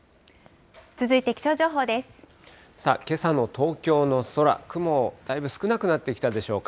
けさの東京の空、雲、だいぶ少なくなってきたでしょうか。